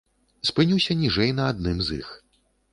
Спынюся ніжэй на адным з іх.